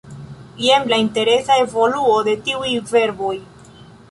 Jen la interesa evoluo de tiuj verboj: